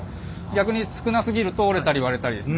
逆に少なすぎると折れたり割れたりですね。